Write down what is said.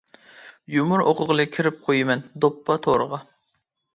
يۇمۇر ئوقۇغىلى كىرىپ قويىمەن دوپپا تورىغا.